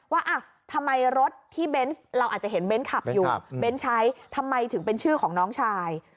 ว่าทำไมรถที่เบนส์เราอาจจะเห็นเน้นขับอยู่เบ้นใช้ทำไมถึงเป็นชื่อของน้องชาย